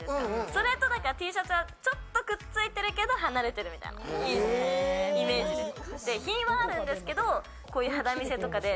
それとＴシャツがちょっとくっついてるけど離れてるみたいなイメージです。